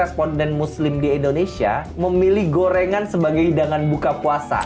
responden muslim di indonesia memilih gorengan sebagai hidangan buka puasa